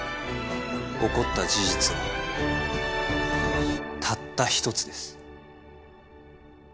起こった事実はたった一つです